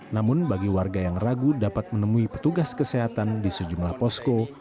namun bagi warga yang ragu dapat menemui petugas kesehatan di sejumlah posko